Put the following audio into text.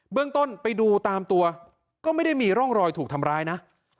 เรื่องต้นไปดูตามตัวก็ไม่ได้มีร่องรอยถูกทำร้ายนะ